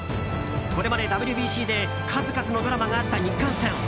これまでＷＢＣで数々のドラマがあった日韓戦。